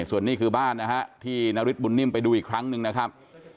ส่วนนี้คือบ้านนะฮะที่นาริสบุญนิ่มไปดูอีกครั้งหนึ่งนะครับ